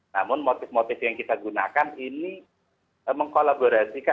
namun motif motif yang kita gunakan ini mengkolaborasi